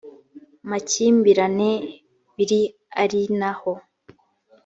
makimbirane biri ari na ho